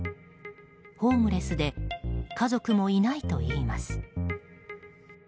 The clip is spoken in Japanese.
ホームレスで家族もいないといいます。